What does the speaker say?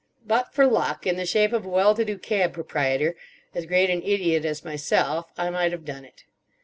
But for Luck, in the shape of a well to do cab proprietor, as great an idiot as myself I might have done it.